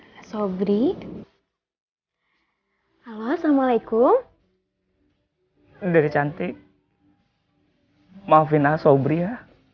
hai sobrie halo assalamualaikum hai dari cantik hai maafin asobria